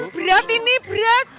berat ini berat